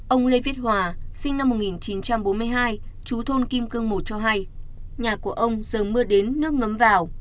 ông lê viết hòa sinh năm một nghìn chín trăm bốn mươi hai chú thôn kim cương một cho hay nhà của ông giờ mưa đến nước ngấm vào